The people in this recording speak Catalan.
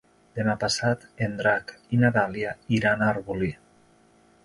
Demà passat en Drac i na Dàlia iran a Arbolí.